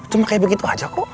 cuma kayak begitu aja kok